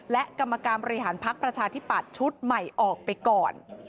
และกรรมการบริหารพักประชาธิปัตย์ชุดใหม่ออกไปก่อน